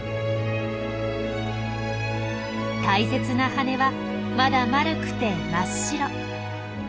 大切な翅はまだ丸くて真っ白。